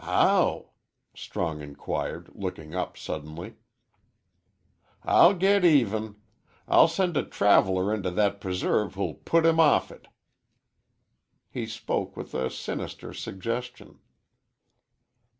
"How?" Strong inquired, looking up suddenly. "I'll git even. I'll send a traveller into that preserve who'll put him off it." He spoke with a sinister suggestion.